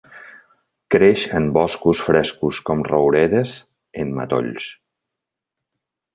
Creix en boscos frescos com rouredes, en matolls.